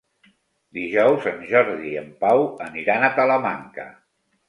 Dijous en Jordi i en Pau aniran a Talamanca.